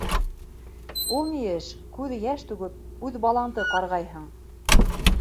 Ул ни эш, күҙ йәш түгеп, үҙ балаңды ҡарғайһың?